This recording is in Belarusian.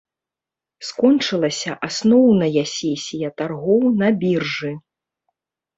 Скончылася асноўная сесія таргоў на біржы.